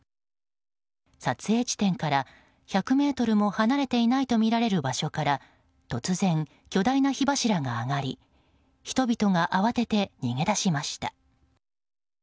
撮影地点から１００ｍも離れていないとみられる場所から突然、巨大な火柱が上がり人々が慌てて逃げ出しました。